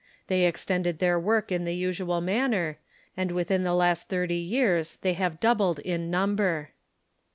They extended their work in the usual manner, and within the last thirty years they have doubled in number.